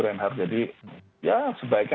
reinhardt jadi ya sebaiknya